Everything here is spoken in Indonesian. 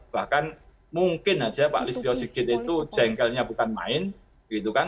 bahkan mungkin saja pak listio sigit itu jengkelnya bukan main gitu kan